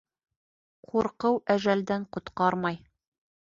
Ҡурҡыу әжәлдән ҡотҡармай.